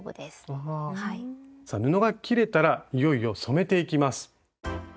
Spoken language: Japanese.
さあ布が切れたらいよいよ染めていきます。